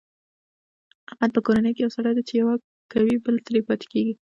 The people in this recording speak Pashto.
احمد په کورنۍ کې یو سری دی، چې یوه کوي بله ترې پاتې کېږي.